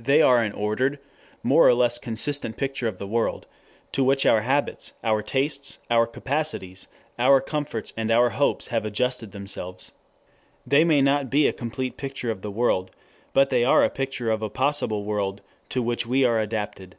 They are an ordered, more or less consistent picture of the world, to which our habits, our tastes, our capacities, our comforts and our hopes have adjusted themselves. They may not be a complete picture of the world, but they are a picture of a possible world to which we are adapted.